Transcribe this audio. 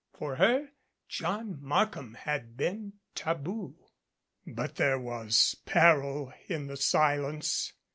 For her, John Markham had been taboo. But there was peril in the silence.